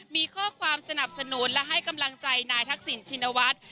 มีข้อความสนับสนุนและให้กำลังใจนายทักษิณชินวัฒน์